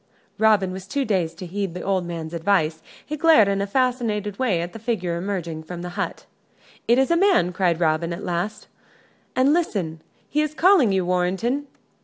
Robin was too dazed to heed the old man's advice. He glared in a fascinated way at the figure emerging from the hut. "It is a man," cried Robin, at last, "and listen he is calling you, Warrenton."